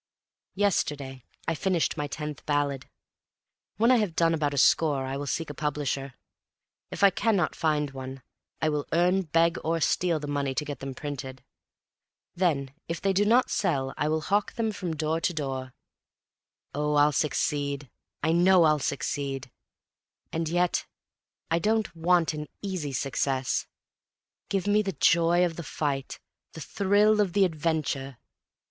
Yesterday I finished my tenth ballad. When I have done about a score I will seek a publisher. If I cannot find one, I will earn, beg or steal the money to get them printed. Then if they do not sell I will hawk them from door to door. Oh, I'll succeed, I know I'll succeed. And yet I don't want an easy success; give me the joy of the fight, the thrill of the adventure.